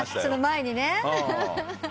その前にね。